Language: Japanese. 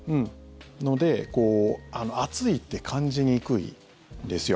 ので、暑いって感じにくいんですよ。